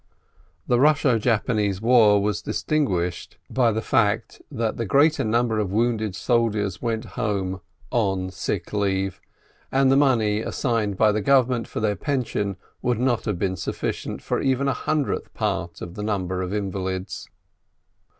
The Russo Japanese war was distinguished by the fact 256 STEINBEKG that the greater number of wounded soldiers went home "on sick leave/' and the money assigned by the Govern ment for their pension would not have been sufficient for even a hundredth part of the number of invalids.